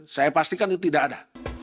saya pastikan itu tidak ada